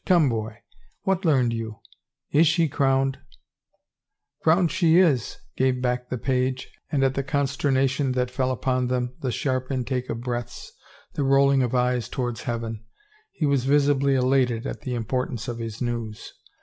Come, boy, what learned you? Is she crowned ?"Crowned she is," gave back the page and at the consternation that fell upon them, the sharp intake of breaths, the rolling of eyes towards heaven, he was visibly elated at the importance of his news.